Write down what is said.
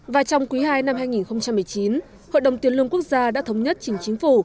và trong quý ii năm hai nghìn một mươi chín hội đồng tiền lương quốc gia đã thống nhất chính chính phủ